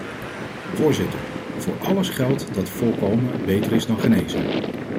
Voorzitter, vóór alles geldt dat voorkómen beter is dan genezen.